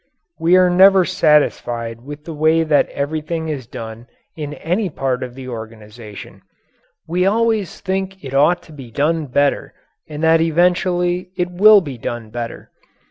We are never satisfied with the way that everything is done in any part of the organization; we always think it ought to be done better and that eventually it will be done better.